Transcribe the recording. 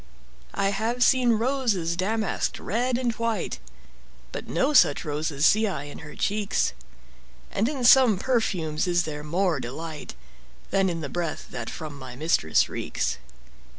I have seen roses damask'd, red and white, But no such roses see I in her cheeks; And in some perfumes is there more delight Than in the breath that from my mistress reeks.